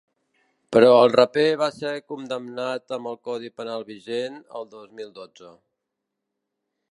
Però el raper va ser condemnat amb el codi penal vigent el dos mil dotze.